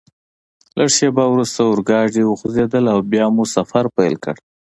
لږ شیبه وروسته اورګاډي وخوځېدل او بیا مو سفر پیل کړ.